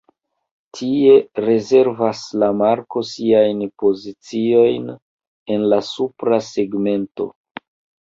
Tie rezervas la marko siajn poziciojn en la supra segmento.